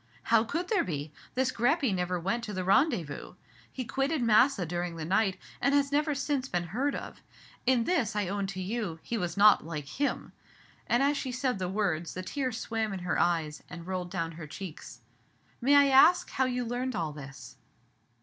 "How could there be? This Greppi never went to the rendezvous. He quitted Massa during the night, and has never since been heard of. In this, I own to you, he was not like him." And, as she said the words, the tears swam in her eyes, and rolled down her cheeks. "May I ask you how you learned all this?"